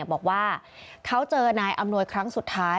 บอกว่าเขาเจอนายอำนวยครั้งสุดท้าย